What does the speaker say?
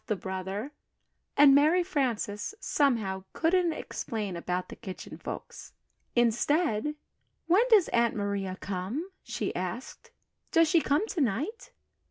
laughed Brother, and Mary Frances, somehow, couldn't explain about the Kitchen Folks. Instead, "When does Aunt Maria come?" she asked. "Does she come to night?"